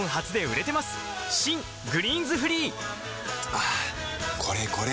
はぁこれこれ！